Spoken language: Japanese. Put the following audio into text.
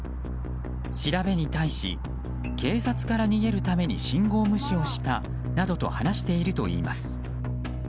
調べに対し警察から逃げるために信号無視をしたなどと話しているといいます。